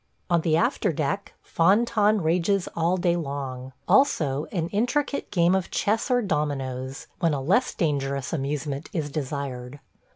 On the after deck fan tan rages all day long; also an intricate game of chess, or dominoes, when a less dangerous amusement is desired.